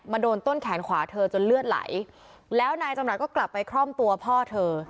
โดนต้นแขนขวาเธอจนเลือดไหลแล้วนายจำรัฐก็กลับไปคล่อมตัวพ่อเธอ